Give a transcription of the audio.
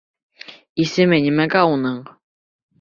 Исеме нимәгә уның?